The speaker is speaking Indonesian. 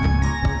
liat dong liat